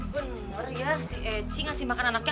bener ya si eci ngasih makan anaknya